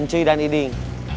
ncuy dan iding